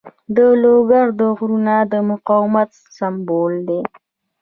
د لوګر غرونه د مقاومت سمبول دي.